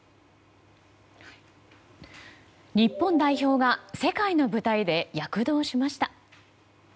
日本代表が世界の舞台で躍動しました。